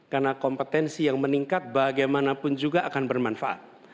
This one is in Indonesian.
karena kompetensi yang meningkat bagaimanapun juga akan bermanfaat